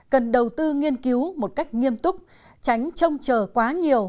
cần đầu tư nghiên cứu một cách nghiêm túc tránh trông chờ quá nhiều